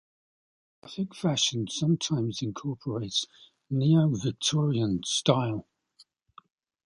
Gothic fashion sometimes incorporates Neo-Victorian style.